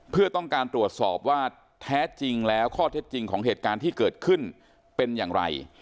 เพื่อต้องการตรวจสอบว่าแท้จริงแล้วข้อเท็จจริงของเหตุการณ์ที่เกิดขึ้นเป็นอย่างไร